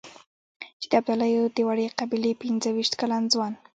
چې د ابدالیو د وړې قبيلې پنځه وېشت کلن ځوان.